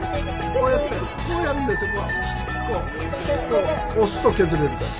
こう押すと削れるから。